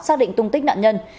xác định tung tích nạn nhân